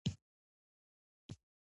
ستوری، د سحر مې یې